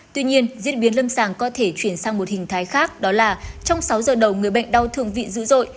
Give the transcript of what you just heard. tuy nhiên diễn biến lâm sàng có thể chuyển sang một hình thái khác đó là trong sáu giờ đầu người bệnh đau thương vị dữ dội